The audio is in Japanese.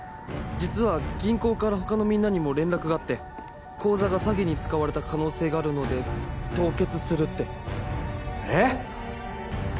実は銀行から他のみんなにも連絡があって口座が詐欺に使われた可能性があるので凍結するってえっ！？